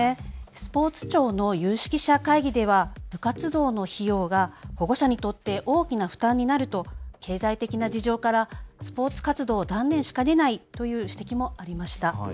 スポーツ庁の有識者会議では部活動の費用が保護者にとって大きな負担になると、経済的な事情からスポーツ活動を断念しかねないという指摘もありました。